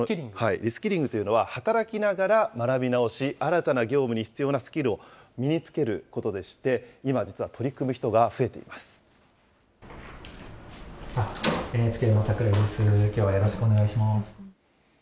リスキリングというのは働きながら学び直し、新たな業務に必要なスキルを身につけることでして、今、実は取りきょうはよろしくお願いしま